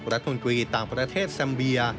รัฐมนตรีต่างประเทศแซมเบีย